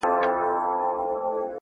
سوخ خوان سترگو كي بيده ښكاري.